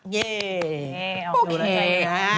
เย่โอเค